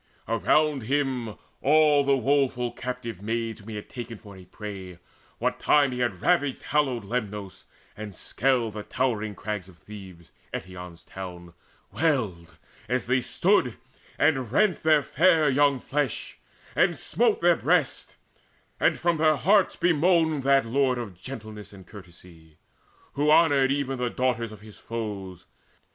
Around him all the woeful captive maids, Whom he had taken for a prey, what time He had ravaged hallowed Lemnos, and had scaled The towered crags of Thebes, Eetion's town, Wailed, as they stood and rent their fair young flesh, And smote their breasts, and from their hearts bemoaned That lord of gentleness and courtesy, Who honoured even the daughters of his foes.